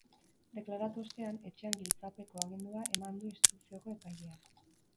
Deklaratu ostean, etxean giltzapetzeko agindua eman du instrukzioko epaileak.